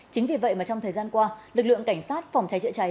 chính vì vậy mà trong thời gian qua lực lượng cảnh sát phòng cháy chữa cháy